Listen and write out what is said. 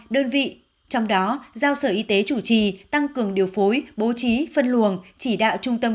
đơn vị trong đó giao sở y tế chủ trì tăng cường điều phối bố trí phân luồng chỉ đạo trung tâm